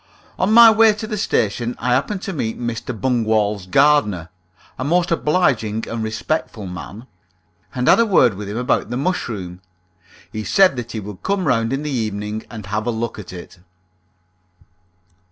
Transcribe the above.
On my way to the station I happened to meet Mr. Bungwall's gardener (a most obliging and respectful man), and had a word with him about the mushroom. He said that he would come round in the evening and have a look at it.